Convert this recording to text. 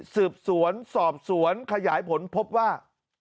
สืบสวนสอบสวนขยายผลพบว่า